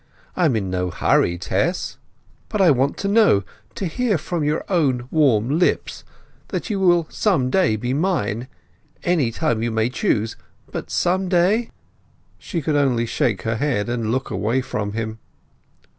I am in no hurry, Tess, but I want to know—to hear from your own warm lips—that you will some day be mine—any time you may choose; but some day?" She could only shake her head and look away from him.